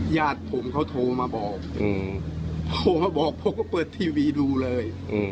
ญาติผมเขาโทรมาบอกโทรมาบอกผมก็เปิดทีวีดูเลย